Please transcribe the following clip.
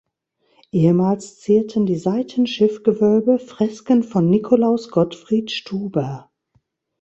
Ehemals zierten die Seitenschiff-Gewölbe Fresken von Nikolaus Gottfried Stuber.